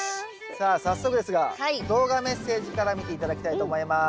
さあ早速ですが動画メッセージから見て頂きたいと思います。